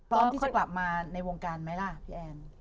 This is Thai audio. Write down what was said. พร้อมที่จะกลับมาในวงการไหมล่ะพี่แอน